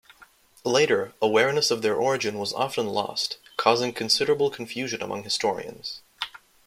Later, awareness of their origin was often lost, causing considerable confusion among historians.